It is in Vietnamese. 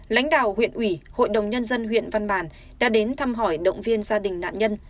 lãnh đạo huyện ủy hội đồng nhân dân huyện văn bàn đã đến thăm hỏi động viên gia đình nạn nhân